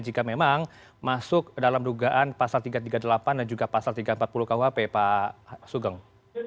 jika memang masuk dalam dugaan pasal tiga ratus tiga puluh delapan dan juga pasal tiga ratus empat puluh kuhp pak sugeng